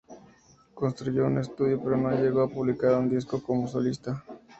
Construyó un estudio, pero no llegó a publicar un disco como solista.